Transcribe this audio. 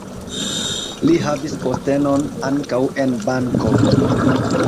Li havis postenon ankaŭ en banko.